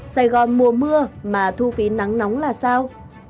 sài gòn mùa mưa mà thu phí nắng nóng là sao